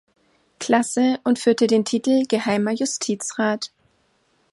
Klasse und führte den Titel Geheimer Justizrat.